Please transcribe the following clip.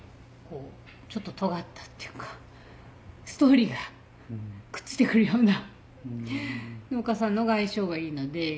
こうちょっととがったっていうかストーリーがくっついてくるような農家さんのほうが相性がいいので。